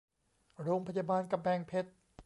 โรงพยาบาลกำแพงเพชร